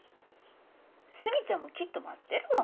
スミちゃんもきっと待ってるわ。